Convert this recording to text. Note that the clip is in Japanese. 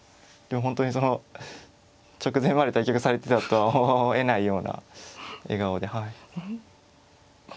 本当にその直前まで対局されていたとは思えないような笑顔ではい。